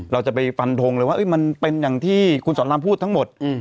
เราจะไปฟันทงเลยว่ามันเป็นอย่างที่คุณสอนรามพูดทั้งหมด